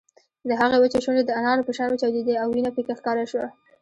د هغې وچې شونډې د انارو په شان وچاودېدې او وينه پکې ښکاره شوه